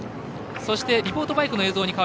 そして、リポートマイクの映像。